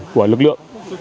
của lực lượng